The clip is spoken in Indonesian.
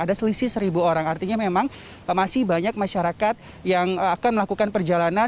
ada selisih seribu orang artinya memang masih banyak masyarakat yang akan melakukan perjalanan